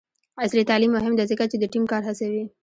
عصري تعلیم مهم دی ځکه چې د ټیم کار هڅوي.